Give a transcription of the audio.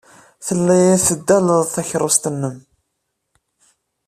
Telliḍ teddaleḍ takeṛṛust-nnem.